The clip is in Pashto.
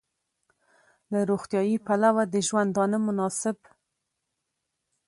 له روغتیايي پلوه د ژوندانه مناسب